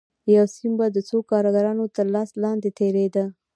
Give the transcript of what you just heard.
یو سیم به د څو کارګرانو تر لاس لاندې تېرېده